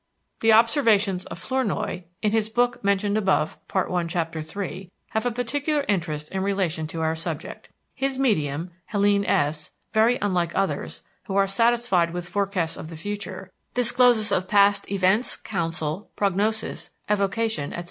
The observations of Flournoy (in his book, mentioned above, Part I, chapter III) have a particular interest in relation to our subject. His medium, Helène S...... very unlike others, who are satisfied with forecasts of the future, disclosures of unknown past events, counsel, prognosis, evocation, etc.